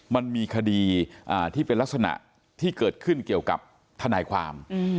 มันมีคดีที่เป็นลักษณะที่เกิดขึ้นเกี่ยวกับทนายความ